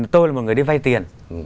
tôi là một người đi vay tiền